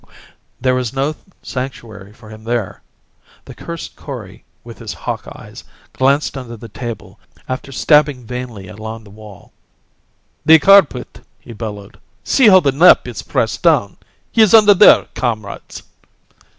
There was no sanctuary for him there. The cursed Kori, with his hawk eyes, glanced under the table after stabbing vainly along the wall. "The carpet!" he bellowed. "See how the nap is pressed down! He is under there, comrades!"